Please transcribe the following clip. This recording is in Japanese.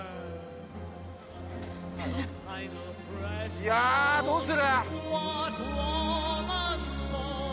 いやーどうする？